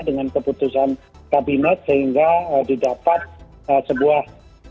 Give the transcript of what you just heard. dengan keputusan kabinet sehingga didapat sebuah